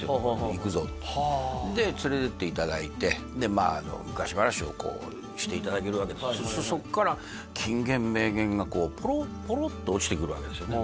「行くぞ」ってで連れて行っていただいて昔話をこうしていただけるわけですよそうするとそこから金言名言がこうポロッポロッと落ちてくるわけですよね